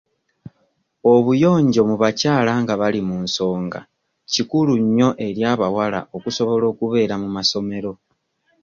Obuyonjo mu bakyala nga bali mu nsonga kikulu nnyo eri abawala okusobola okubeera mu masomero.